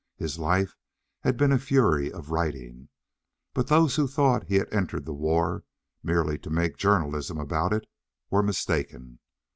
His life had been a fury of writing, but those who thought he had entered the war merely to make journalism about it were mistaken.